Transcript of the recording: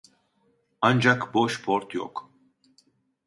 Ancak boş port yok